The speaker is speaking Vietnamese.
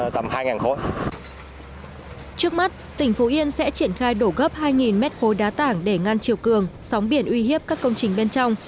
trước mắt tỉnh phú yên sẽ triều cường sóng biển uy hiếp các công trình bên trong